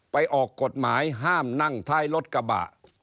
ออกกฎหมายห้ามนั่งท้ายรถกระบะ